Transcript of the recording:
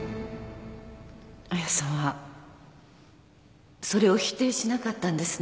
亜矢さんはそれを否定しなかったんですね？